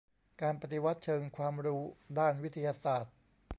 การปฏิวัติเชิงความรู้ด้านวิทยาศาสตร์